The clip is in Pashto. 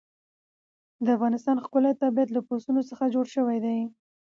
د افغانستان ښکلی طبیعت له پسونو څخه جوړ شوی دی.